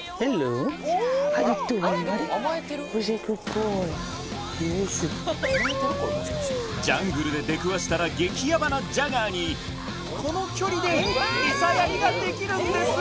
そしてジャングルで出くわしたら激ヤバなジャガーにこの距離でエサやりができるんです！